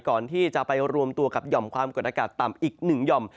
ก่อนที่จะไปรวมตัวกับหย่อมความกดอากาศต่ำอีกหนึ่งหย่อม